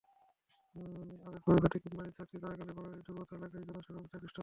আবেদ বহুজাতিক কোম্পানির চাকরি করাকালেই বাংলাদেশের দুর্গত এলাকায় জনসেবার প্রতি আকৃষ্ট হন।